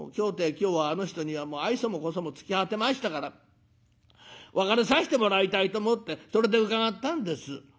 今日はあの人には愛想も小想も尽き果てましたから別れさしてもらいたいと思ってそれで伺ったんです」。